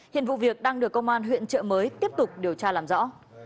hiện vụ việc đang được công an huyện trợ mới tiếp tục điều tra làm rõ